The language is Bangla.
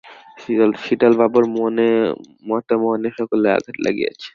শীতলবাবুর মতো মনে সকলের আঘাত লাগিয়াছে।